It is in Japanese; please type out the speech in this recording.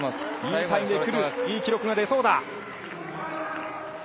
いい記録が出そうだ。